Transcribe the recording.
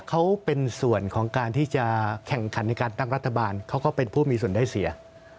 เขาเป็นส่วนของการที่จะแข่งขันในการตั้งรัฐบาลเขาก็เป็นผู้มีส่วนได้เสีย